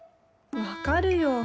分かるよ。